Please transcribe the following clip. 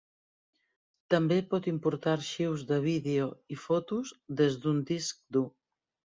També pot importar arxius de vídeo i fotos des d'un disc dur.